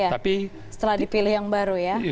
setelah dipilih yang baru ya